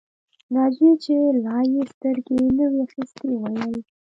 ناجيې چې لا يې سترګې نه وې اخيستې وویل